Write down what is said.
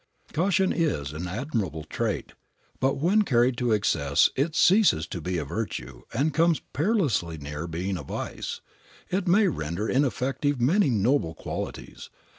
Caution is an admirable trait, but when carried to excess it ceases to be a virtue and comes perilously near being a vice. It may render ineffective many noble qualities.